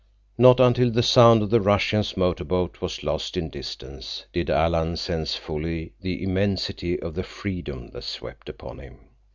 Not until the sound of the Russian's motor boat was lost in distance did Alan sense fully the immensity of the freedom that swept upon him.